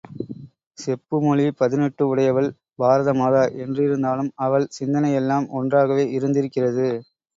செப்பு மொழி பதினெட்டு உடையவள் பாரத மாதா என்றிருந்தாலும் அவள் சிந்தனை எல்லாம் ஒன்றாகவே இருந்திருக்கிறது.